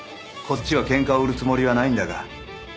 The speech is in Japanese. こっちは喧嘩を売るつもりはないんだが。